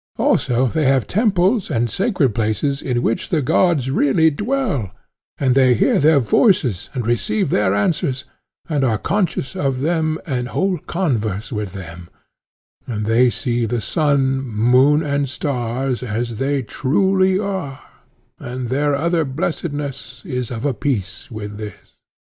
Also they have temples and sacred places in which the gods really dwell, and they hear their voices and receive their answers, and are conscious of them and hold converse with them, and they see the sun, moon, and stars as they truly are, and their other blessedness is of a piece with this.